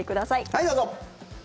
はい、どうぞ！